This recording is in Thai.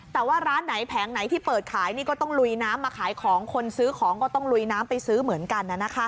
แต่ว่าร้านไหนแผงไหนที่เปิดขายนี่ก็ต้องลุยน้ำมาขายของคนซื้อของก็ต้องลุยน้ำไปซื้อเหมือนกัน